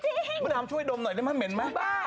มึงทำช่วยดมหน่อยได้มั้ยเหม็นไหมบ้า